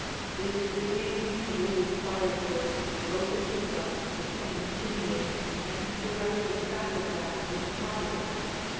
This retains the old fireplace opening from the same chimney and directly back of that in the parlor.